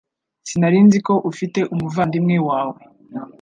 Sinari nzi ko ufite umuvandimwe wawe